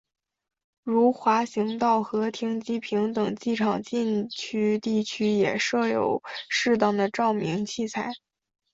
如滑行道和停机坪等机场禁区地区也设有适当的照明器材。